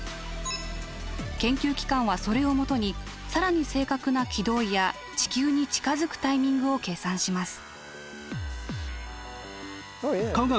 研究機関はそれを基に更に正確な軌道や地球に近づくタイミングを計算します。